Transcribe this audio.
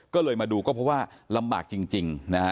ก็เลยมาดูก็เพราะว่าลำบากจริงนะฮะ